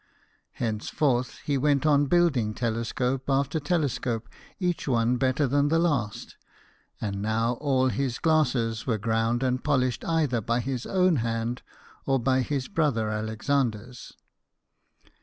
Henceforth he went on building telescope after telescope, each one better than the last ; and now all his glasses were ground and polished either by his own hand or by his brother Alexander's.